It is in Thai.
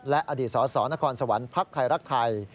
และอดีตสสนครสวรรค์ภักดิ์ไทยรักไทย